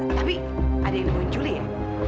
tapi ada yang nemuin julie ya